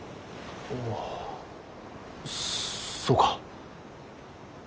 おそうか。